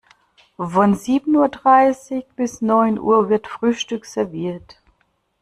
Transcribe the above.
Von sieben Uhr dreißig bis neun Uhr wird Frühstück serviert.